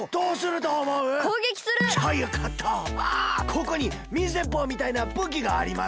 ここに水でっぽうみたいなぶきがあります。